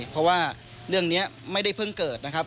เพราะว่าเรื่องนี้ไม่ได้เพิ่งเกิดนะครับ